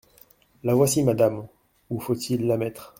La voici, madame ; où faut-il la mettre ?